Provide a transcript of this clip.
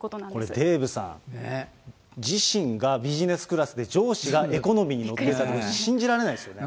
これデーブさん、自身がビジネスクラスで、上司がエコノミーに乗っていた、信じられないですよね。